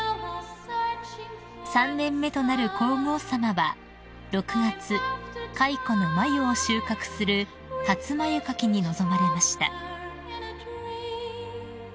［３年目となる皇后さまは６月蚕の繭を収穫する初繭掻きに臨まれました］